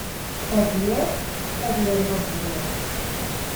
Ad d-yas ad d-yernu lehdur.